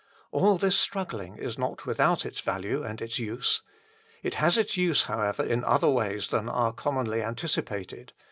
All this struggling is not without its value and its use. It has its use, however, in other ways than are commonly anticipated.